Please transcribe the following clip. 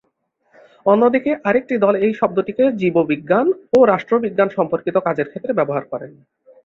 অন্যদিকে আরেকটি দল এই শব্দটিকে জীববিজ্ঞান ও রাষ্ট্রবিজ্ঞান সম্পর্কিত কাজের ক্ষেত্রে ব্যবহার করেন।